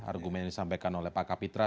argumen yang disampaikan oleh pak kapitra